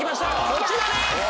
こちらです！